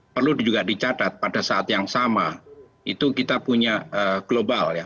perlu juga dicatat pada saat yang sama itu kita punya global ya